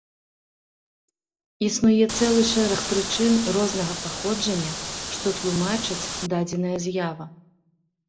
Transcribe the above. Існуе цэлы шэраг прычын рознага паходжання, што тлумачаць дадзеная з'ява.